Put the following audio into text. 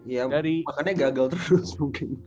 ya makanya gagal terus mungkin